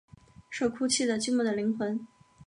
是哭泣的寂寞的灵魂